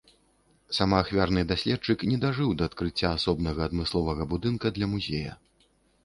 Самаахвярны даследчык не дажыў да адкрыцця асобнага адмысловага будынка для музея.